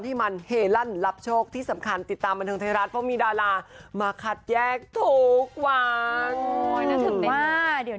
แล้วก็ไปตามเต้นลันลันลันลัน